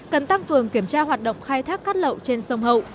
cần tăng cường kiểm tra hoạt động khai thác cát lậu trên sông hậu